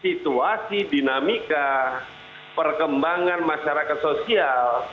situasi dinamika perkembangan masyarakat sosial